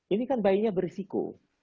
ini kan bayinya berisiko